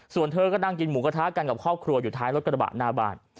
ส่วนเธอก็นั่งกินหมูกระทะกันกับครอบครัวอยู่ท้ายรถกระบะหน้าบ้าน